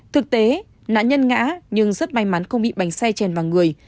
thực tế nạn nhân ngã nhưng rất may mắn không bị bánh xe chèn vào người